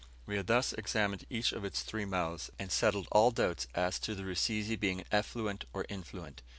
We had thus examined each of its three mouths, and settled all doubts as to the Rusizi being an effluent or influent.